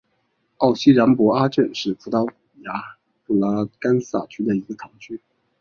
奥西良博阿镇是葡萄牙布拉干萨区的一个堂区。